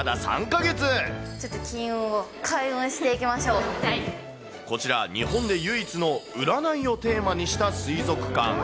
ちょっと金運を開運していきこちら、日本で唯一の占いをテーマにした水族館。